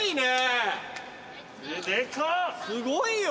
すごいよ。